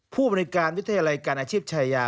ผู้บริการวิทยาลัยการอาชีพชายา